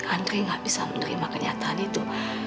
andri gak bisa menerima kenyataan itu